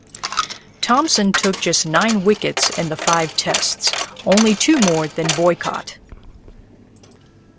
Thomson took just nine wickets in the five Tests, only two more than Boycott.